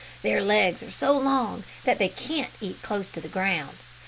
Their legs are so long that they can't eat close to the ground.